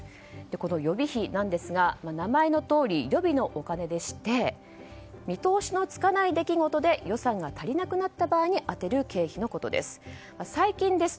この予備費なんですが名前のとおり、予備のお金でして見通しのつかない出来事で予算が足りなくなった場合に充てる経費のことです。